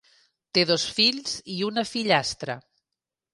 Té dos fills i una fillastra.